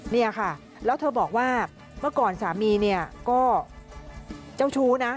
เนี่ยค่ะแล้วเธอบอกว่าเมื่อก่อนสามีเนี่ยก็เจ้าชู้นะ